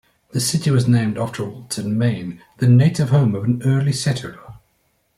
The city was named after Wilton, Maine, the native home of an early settler.